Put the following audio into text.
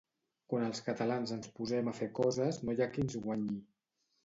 Quan els catalans ens posem a fer coses no hi ha qui ens guanyi